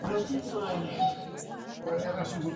پابندي غرونه د افغانستان د ښاري پراختیا یو سبب دی.